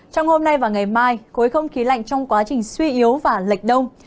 trong hôm nay và ngày mai khối không khí lạnh trong quá trình suy yếu và lệch đông